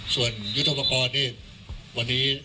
ส่วนโยตี้ปณท์ปนเนี้ยวันนี้